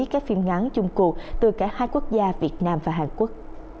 các phim ngắn chung cuộc từ cả hai quốc gia việt nam và hàn quốc